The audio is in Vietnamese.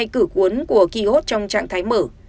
hai cử cuốn của ký hốt trong trạng thái mở